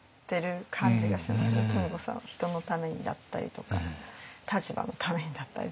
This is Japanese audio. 富子さんは人のためにだったりとか立場のためにだったりとか。